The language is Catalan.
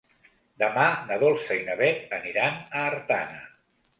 Demà na Dolça i na Beth aniran a Artana.